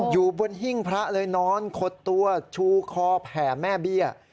อยู่บนหิ้งพระเลยนอนขดตัวชูคอแผ่แม่เบี้ย